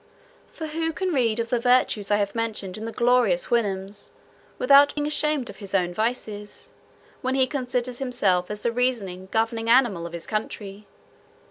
For who can read of the virtues I have mentioned in the glorious Houyhnhnms, without being ashamed of his own vices, when he considers himself as the reasoning, governing animal of his country?